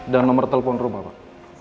nomor telepon rumah pak